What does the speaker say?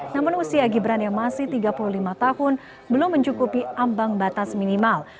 namun usia gibran yang masih tiga puluh lima tahun belum mencukupi ambang batas minimal